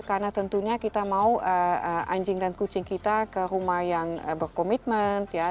karena tentunya kita mau anjing dan kucing kita ke rumah yang berkomitmen ya